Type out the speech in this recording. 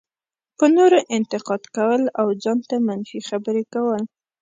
په نورو انتقاد کول او ځان ته منفي خبرې کول.